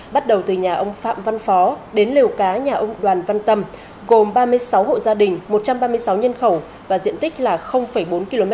bắt đầu từ nhà ông phạm văn phó đến lều cá nhà ông đoàn văn tâm gồm ba mươi sáu hộ gia đình một trăm ba mươi sáu nhân khẩu và diện tích là bốn km